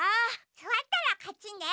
すわったらかちね。